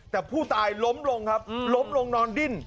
แต่ผู้ตายล้มลงครับล้มลงนอนดิ้น